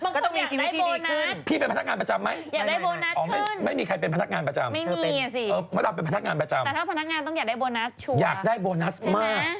ไม่มีอ่ะสิแต่ถ้าเป็นพนักงานต้องอยากได้โบนัสชัวร์ใช่ไหมครับอยากได้โบนัสมาก